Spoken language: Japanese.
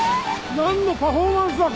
何のパフォーマンスだ？